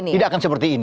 tidak akan seperti ini